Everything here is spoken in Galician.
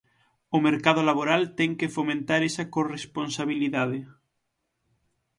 O mercado laboral ten que fomentar esa corresponsabilidade.